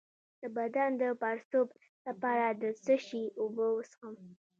د بدن د پړسوب لپاره د څه شي اوبه وڅښم؟